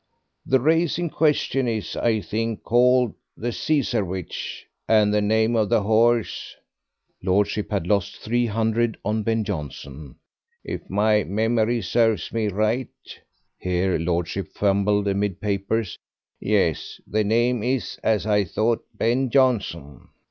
The race in question is, I think, called the Cesarewitch, and the name of the horse (lordship had lost three hundred on Ben Jonson), if my memory serves me right (here lordship fumbled amid papers), yes, the name is, as I thought, Ben Jonson.